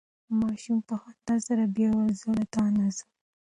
ماشوم په خندا سره بیا وویل چې زه له تا نه ځم.